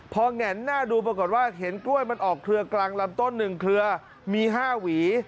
พอแหง่นหน้าดูปรากฏว่าเห็นกล้วยมันออกเครือกลางลำต้น๑เครือมี๕หวี